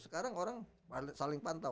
sekarang orang saling pantau